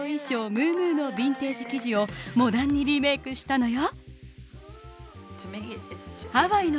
ムームーのビンテージ生地をモダンにリメイクしたのよ。